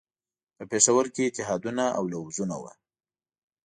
په پېښور کې اتحادونه او لوزونه وو.